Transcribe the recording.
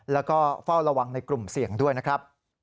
แล้วก็เฝ้าระวังในกลุ่มเสี่ยงด้วยนะครับ